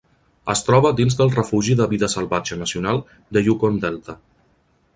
Es troba dins del refugi de vida salvatge nacional de Yukon Delta.